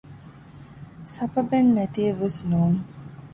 ސަބަބެން ނެތިއެއްވެސް ނޫން